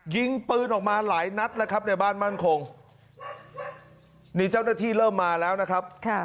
ยิงปืนออกมาหลายนัดแล้วครับในบ้านมั่นคงนี่เจ้าหน้าที่เริ่มมาแล้วนะครับ